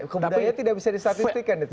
kebudayaan tidak bisa disatistikan itu